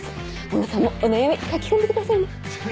小野さんもお悩み書き込んでくださいね。